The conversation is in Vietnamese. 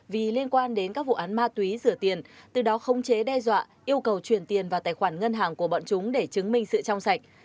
vì liên quan đến các vụ án ma túy rửa tiền từ đó không chế đe dọa yêu cầu chuyển tiền vào tài khoản ngân hàng của bọn chúng để chứng minh sự trong sạch